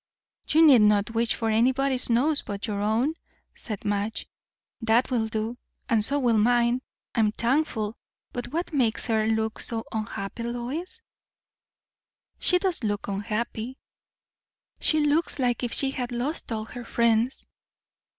"You need not wish for anybody's nose but your own," said Madge. "That will do, and so will mine, I'm thankful! But what makes her look so unhappy, Lois?" "She does look unhappy." "She looks as if she had lost all her friends."